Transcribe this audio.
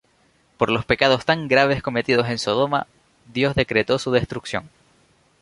Por los pecados tan graves cometidos en Sodoma, Dios decretó su destrucción.